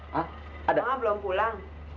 mama belum pulang